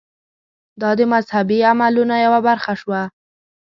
دا د مذهبي عملونو یوه برخه شوه.